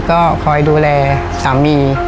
ก็คอยดูแลสามี